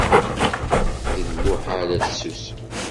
D lmuḥal ad tessusem.